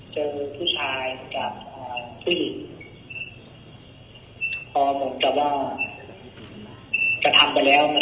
เจอผู้ชายกับเอ่อผู้หญิงพอหมดจ๋าว่าจะทำไปแล้วมัน